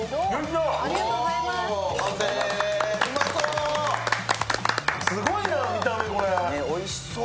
完成、おいしそう。